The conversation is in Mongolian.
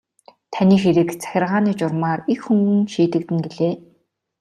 Таны хэрэг захиргааны журмаар их хөнгөн шийдэгдэнэ гэлээ.